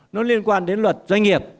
nó liên quan đến luật doanh nghiệp